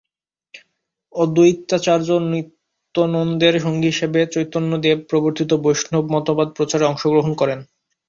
অদ্বৈতাচার্য নিত্যানন্দের সঙ্গী হিসেবে চৈতন্যদেব প্রবর্তিত বৈষ্ণব মতবাদ প্রচারে অংশগ্রহণ করেন।